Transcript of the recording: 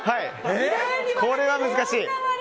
これは難しい。